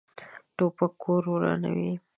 توپک کور ورانوي.